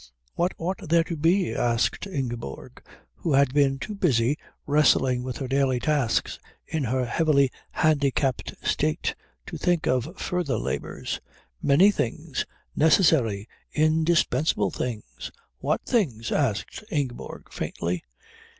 "What ought there to be?" asked Ingeborg, who had been too busy wrestling with her daily tasks in her heavily handicapped state to think of further labours. "Many things necessary, indispensable things." "What things?" asked Ingeborg faintly.